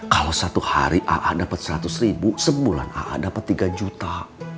kalau satu hari aa dapat seratus ribu sebulan aa dapat tiga juta